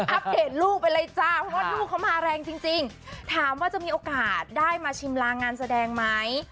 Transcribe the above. อปเดตลูกไปเลยจ้าเพราะว่าลูกเขามาแรงจริงถามว่าจะมีโอกาสได้มาชิมลางงานแสดงไหม